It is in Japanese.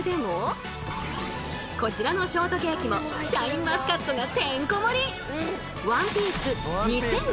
こちらのショートケーキもシャインマスカットがてんこ盛り！